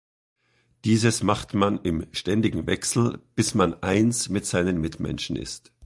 Dieses macht man im ständigen Wechsel, bis man eins mit seinen Mitmenschen ist.